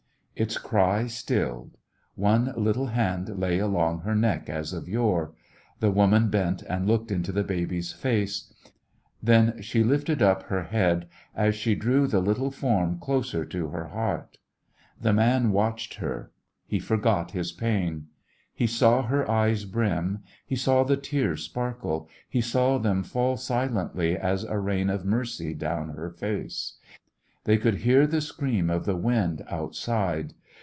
Its cry stilled. One little hand lay along her neck as of yore. The woman bent and looked into the baby's face. Then she lifted up her A Christmas When head as she drew the little form closer to her heart. The man watched her. He forgot his pain. He saw her eyes hrim, he saw the tears sparkle, he saw them fall silently as a rain of mercy down her face. They could hear the scream of the wind outside.